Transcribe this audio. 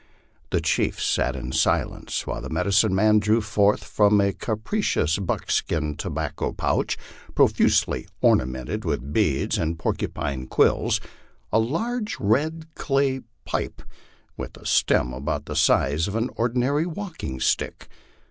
The chiefs sat in silence while the medicine man drew forth from a capricious buckskin tobacco pouch, profusely ornamented with beads and porcupine quills, a large red clay pipe, with a stem about the size of an ordinary walking stick.